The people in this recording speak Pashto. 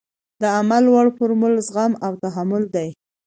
د عمل وړ فورمول زغم او تحمل دی.